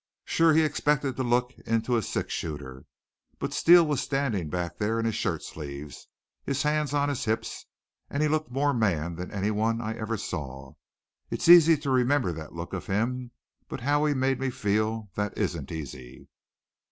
Sure he expected to look into a six shooter. But Steele was standin' back there in his shirt sleeves, his hands on his hips, and he looked more man than any one I ever saw. It's easy to remember the look of him, but how he made me feel, that isn't easy.